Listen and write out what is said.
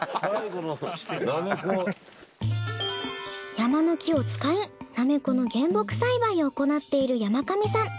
山の木を使いナメコの原木栽培を行っている山上さん。